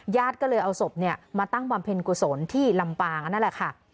ญาติก็เลยเอาศพมาตั้งบำเพ็ญกุศลที่ลำปางนั่นแหละค่ะ